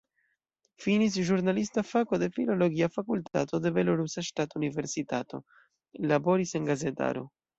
Finis ĵurnalista fako de filologia fakultato de Belorusa Ŝtata Universitato, laboris en gazetaro.